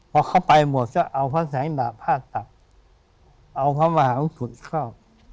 พอเข้าไปหมดก็เอาพระแสงหะผ้าตักเอาพระมหาวงกุฎเข้า